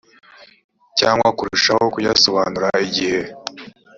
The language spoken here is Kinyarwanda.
cyangwa kurushaho kuyasobanura igihe